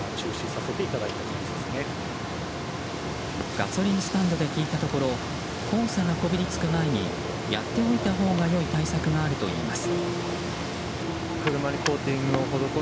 ガソリンスタンドで聞いたところ黄砂がこびりつく前にやっておいたほうが良い対策があるといいます。